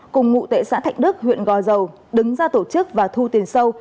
cùng ngụ tệ xã thạnh đức huyện gò dầu đứng ra tổ chức và thu tiền sâu